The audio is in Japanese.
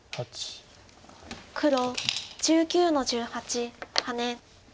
黒１９の十八ハネ。